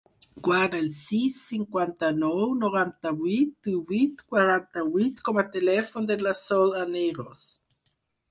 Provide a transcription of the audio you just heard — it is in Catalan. Guarda el sis, cinquanta-nou, noranta-vuit, divuit, quaranta-vuit com a telèfon de la Sol Aneiros.